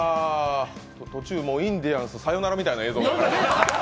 途中、もうインディアンスさよならみたいな映像になってました。